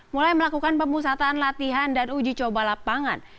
mulai melakukan pemusatan latihan dan uji coba lapangan